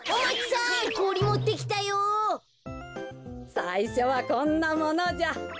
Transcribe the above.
さいしょはこんなものじゃ。